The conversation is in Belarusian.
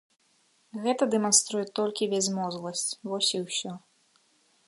Гэта дэманструе толькі бязмозгасць, вось і ўсё.